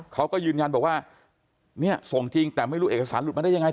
เขาก็ยืนยันบอกว่าเนี่ยส่งจริงแต่ไม่รู้เอกสารหลุดมาได้ยังไง